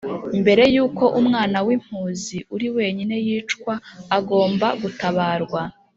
Mbere y uko umwana w impuzi uri wenyine yicwa agomba gutabarwa